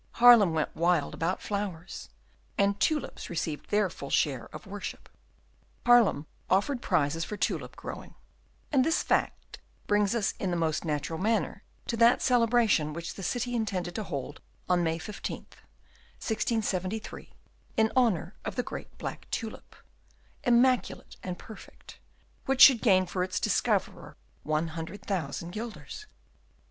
Haarlem went wild about flowers, and tulips received their full share of worship. Haarlem offered prizes for tulip growing; and this fact brings us in the most natural manner to that celebration which the city intended to hold on May 15th, 1673 in honour of the great black tulip, immaculate and perfect, which should gain for its discoverer one hundred thousand guilders!